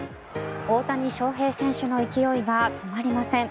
大谷翔平選手の勢いが止まりません。